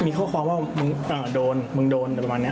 มีข้อความว่ามึงโดนมึงโดนอะไรประมาณนี้